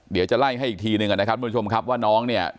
เดี๋ยวจะไล่ให้อีกทีหนึ่งนะครับทุกผู้ชมครับว่าน้องเนี่ย